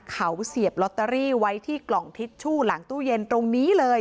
เขาเสียบลอตเตอรี่ไว้ที่กล่องทิชชู่หลังตู้เย็นตรงนี้เลย